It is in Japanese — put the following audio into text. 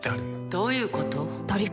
どういうこと？